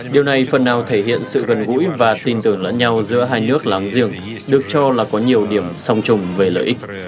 điều này phần nào thể hiện sự gần gũi và tin tưởng lẫn nhau giữa hai nước láng giềng được cho là có nhiều điểm song trùng về lợi ích